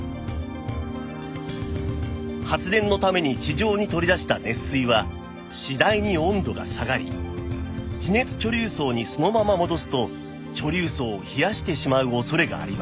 発電のために地上に取り出した熱水は次第に温度が下がり地熱貯留層にそのまま戻すと貯留層を冷やしてしまう恐れがあります